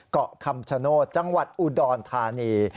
เกาะคำชโนธจังหวัดอุดรธานี